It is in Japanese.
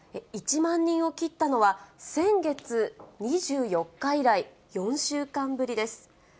１万人を切ったのは、先月２４日以来、４週間ぶりです。